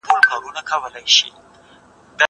زه له سهاره ليکنه کوم!!